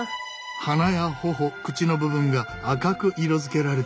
鼻や頬口の部分が赤く色づけられている。